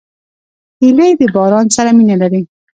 هیلۍ د باران سره مینه لري